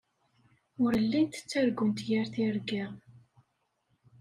Ur llint ttargunt yir tirga.